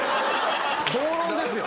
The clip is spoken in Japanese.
暴論ですよ。